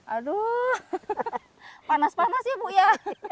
aduh panas panas ya bu ya